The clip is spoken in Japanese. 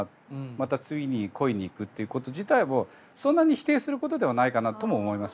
また次に恋にいくっていうこと自体をそんなに否定することではないかなとも思いますけど。